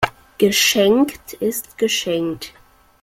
Geschenkt ist geschenkt.